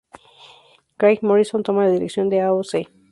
Craig Morrison toma la dirección de "AoC".